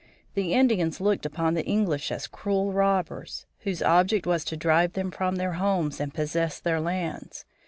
The Indians looked upon the English as cruel robbers, whose object was to drive them from their homes and possess their lands.